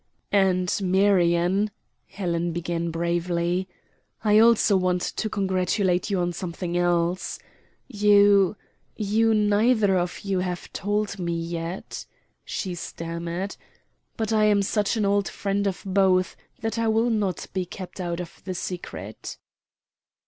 "And, Marion," Helen began bravely, "I also want to congratulate you on something else. You you neither of you have told me yet," she stammered, "but I am such an old friend of both that I will not be kept out of the secret."